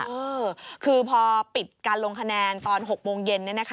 เออคือพอปิดการลงคะแนนตอน๖โมงเย็น